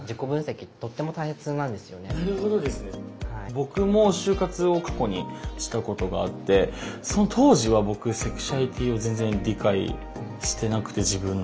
僕も就活を過去にしたことがあってその当時は僕セクシュアリティーを全然理解してなくて自分の。